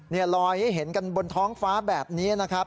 นี่ลอยให้เห็นกันบนท้องฟ้าแบบนี้นะครับ